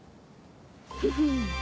フフン！